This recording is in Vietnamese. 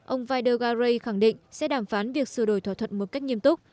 ông valdegaray khẳng định sẽ đàm phán việc sửa đổi thỏa thuận một cách nghiêm túc